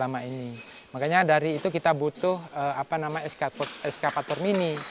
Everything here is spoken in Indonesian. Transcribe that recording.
makanya dari itu kita butuh eskavator mini